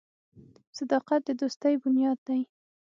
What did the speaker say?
• صداقت د دوستۍ بنیاد دی.